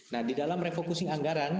nah di dalam refocusi anggaran